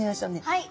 はい。